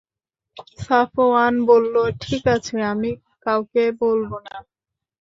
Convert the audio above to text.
সাফওয়ান বলল, ঠিক আছে, আমি কাউকে বলব না।